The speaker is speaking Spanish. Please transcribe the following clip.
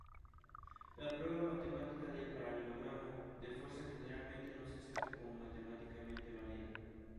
La prueba matemática del paralelogramo de fuerza generalmente no se acepta como matemáticamente válida.